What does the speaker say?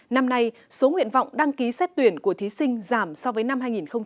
năm nay số nguyện vọng đăng ký xét tuyển của thí sinh giảm so với năm hai nghìn một mươi tám